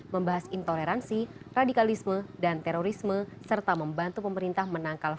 membahas intoleransi radikalisme dan terorisme serta membantu pemerintah menangkal